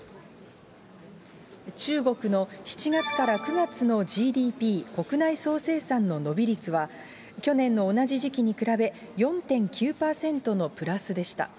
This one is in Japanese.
中国の７月から９月のＧＤＰ・国内総生産の伸び率は、去年の同じ時期に比べ、４．９％のプラスでした。